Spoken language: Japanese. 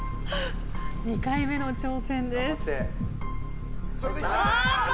２回目の挑戦です。